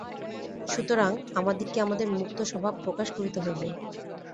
সুতরাং আমাদিগকে আমাদের মুক্তস্বভাব প্রকাশ করিতে হইবে।